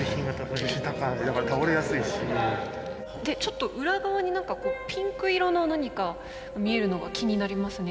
ちょっと裏側に何かピンク色の何か見えるのが気になりますね。